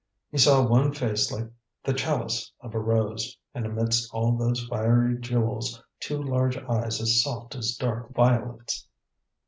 He saw one face like the chalice of a rose, and amidst all those fiery jewels two large eyes as soft as dark violets.